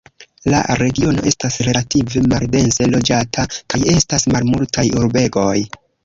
La regiono estas relative maldense loĝata, kaj estas malmultaj urbegoj.